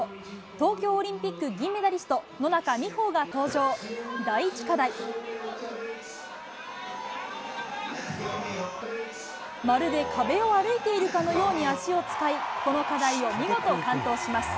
東京オリンピック銀メダリスト、まるで壁を歩いているかのように足を使い、この課題を見事、完登します。